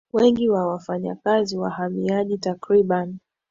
Wengi wa wafanyakazi wahamiaji takriban